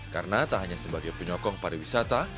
karena tak hanya sebagai penyokong pariwisata